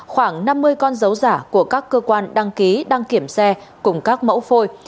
khoảng năm mươi con dấu giả của các cơ quan đăng ký đăng kiểm xe cùng các mẫu phôi